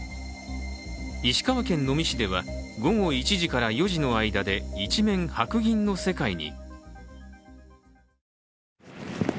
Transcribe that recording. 石川県能美市では午後１時から４時の間で一面、白銀の世界に。